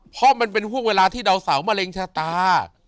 เพราะมันเป็นห่วงเวลาที่ดาวเสามะเร็งชะตา